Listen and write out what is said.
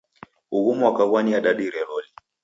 Ughu mwaka gwaniadadire loli.